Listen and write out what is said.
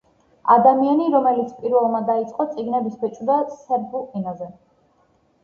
ადამიანი, რომელიც პირველმა დაიწყო წიგნების ბეჭდვა სერბულ ენაზე.